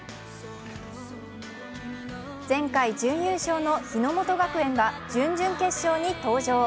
前回準優勝の日ノ本学園は準々決勝に登場。